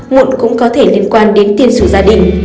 muộn cũng có thể liên quan đến tiền sử gia đình